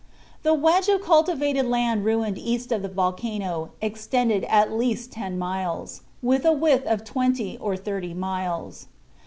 "The wedge of cultivated land ruined east of the volcano extended at least ten miles, with a width of twenty or thirty miles.